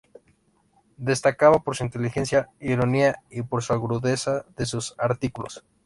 Destacaba por su inteligencia, ironía y por la agudeza de sus artículos.